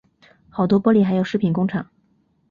好多玻璃还有饰品工厂